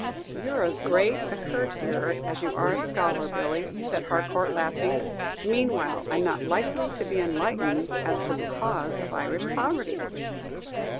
"You're as great a courtier as you are a scholar, Billy," said Harcourt, laughing; "meanwhile, I'm not likely to be enlightened as to the cause of Irish poverty."